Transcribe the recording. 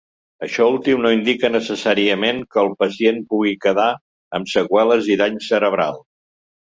Això últim no indica necessàriament que el pacient pugui quedar amb seqüeles i danys cerebrals.